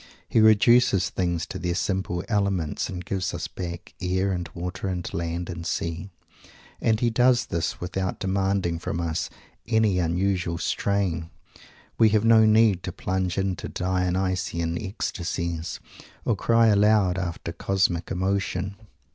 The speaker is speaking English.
He reduces things to their simple elements and gives us back air and water and land and sea. And he does this without demanding from us any unusual strain. We have no need to plunge into Dionysian ecstacies, or cry aloud after "cosmic emotion."